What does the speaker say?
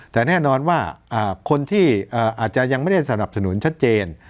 แต่แน่นอนว่าคนที่อาจจะยังไม่ได้สนับสนุนชัดเจน